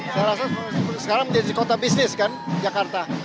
saya rasa sekarang menjadi kota bisnis kan jakarta